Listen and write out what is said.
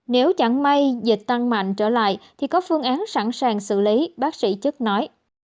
nếu chẳng may dịch tăng mạnh trở lại thì có phương án sẵn sàng xử lý bác sĩ chức nói